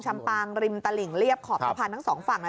ปางริมตลิ่งเรียบขอบสะพานทั้งสองฝั่ง